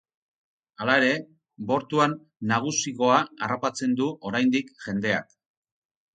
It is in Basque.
Hala ere, bortuan nagusigoa harrapatzen du, oraindik, jendeak.